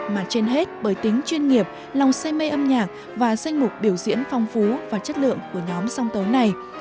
mà trên hết bởi tính chuyên nghiệp lòng say mê âm nhạc và danh mục biểu diễn phong phú và chất lượng của nhóm song tấu này